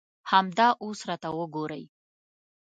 همدا اوس راته وګورئ.